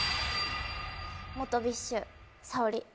元ＢｉＳＨ、沙織。